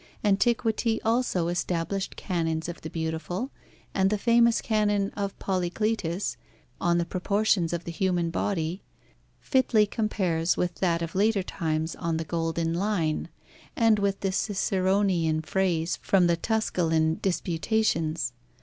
Antiquity also established canons of the beautiful, and the famous canon of Polycleitus, on the proportions of the human body, fitly compares with that of later times on the golden line, and with the Ciceronian phrase from the Tusculan Disputations.